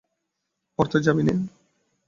পড়তে যাবি নে?